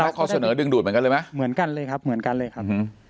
ข้อเสนอดึงดูดเหมือนกันเลยไหมเหมือนกันเลยครับเหมือนกันเลยครับ